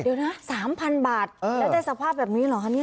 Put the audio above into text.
เดี๋ยวนะ๓๐๐๐บาทแล้วได้สภาพแบบนี้เหรอคะเนี่ย